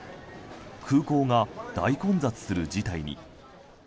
空港が大混雑する事態に。